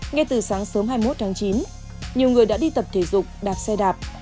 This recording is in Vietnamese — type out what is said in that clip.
ngay từ sáng sớm hai mươi một tháng chín nhiều người đã đi tập thể dục đạp xe đạp